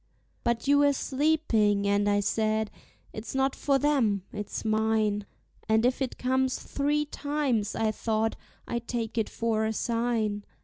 But you were sleeping; and I said, "It's not for them, it's mine;" And if it comes three times, I thought, I take it for a sign.